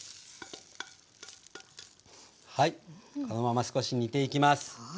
はいこのまま少し煮ていきます。